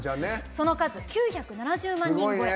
その数９７０万人超え。